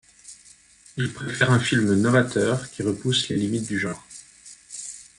Il préfère un film novateur qui repousse les limites du genre.